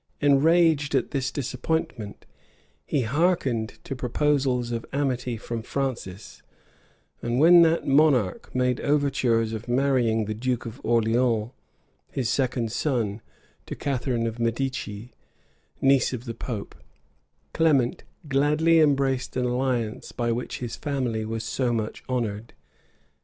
Enraged at this disappointment, he hearkened to proposals of amity from Francis; and when that monarch made overtures of marrying the duke of Orleans, his second son, to Catharine of Medicis, niece of the pope, Clement gladly embraced an alliance by which his family was so much honored.